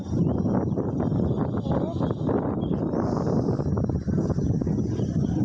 สวัสดีสวัสดี